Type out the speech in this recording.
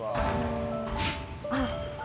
あっ。